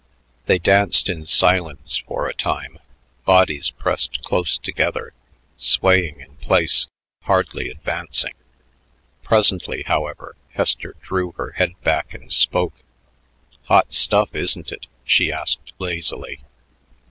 They danced in silence for a time, bodies pressed close together, swaying in place, hardly advancing. Presently, however, Hester drew her head back and spoke. "Hot stuff, isn't it?" she asked lazily.